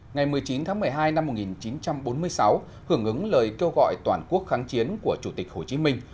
ngày một mươi chín tháng một mươi hai năm một nghìn chín trăm bốn mươi sáu hưởng ứng lời kêu gọi toàn quốc kháng chiến của chủ tịch hồ chí minh